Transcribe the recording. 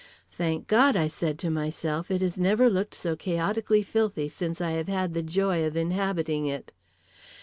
Thank God, I said to myself, it has never looked so chaotically filthy since I have had the joy of inhabiting it.